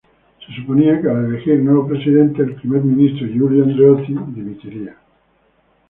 Se suponía que, al elegir nuevo presidente, el primer ministro Giulio Andreotti dimitiría.